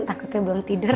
takutnya belum tidur